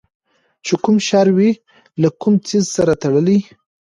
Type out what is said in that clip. چې کوم شر وي له کوم څیز سره تړلی